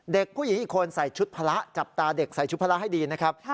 เด็กผู้หญิงอีกคนใส่ชุดพละจับตาเด็กใส่ชุดพละให้ดีนะครับ